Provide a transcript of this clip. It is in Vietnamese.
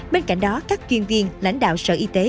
bên cạnh đó các chuyên viên lãnh đạo sở y tế